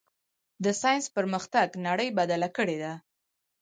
د ساینس پرمختګ نړۍ بدله کړې ده.